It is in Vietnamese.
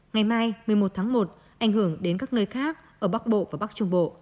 ngày mai một mươi một tháng một ảnh hưởng đến các nơi khác ở bắc bộ và bắc trung bộ